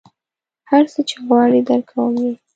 هر څه چې غواړې درکوم یې.